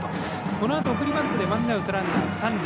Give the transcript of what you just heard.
このあと送りバントでワンアウトランナー、三塁。